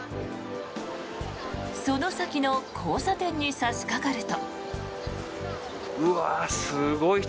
その先の交差点に差しかかると。